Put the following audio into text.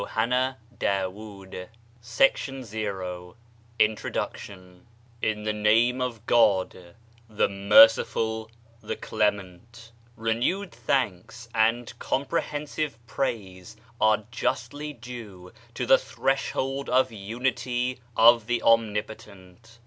Prance Digitized by Google INTRODUCTION In the name of God the Merciful, the Clement/ Renewed thanks and comprehensive praise are justly due to the Threshold of Unity of ^e Ooini potent.